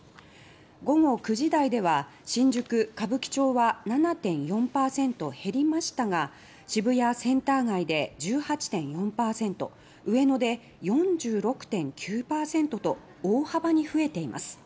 午後９時台では新宿・歌舞伎町は７．４％減りましたが渋谷・センター街で１８．４％銀座で３０．４％上野で４６．９％と大幅に増えています。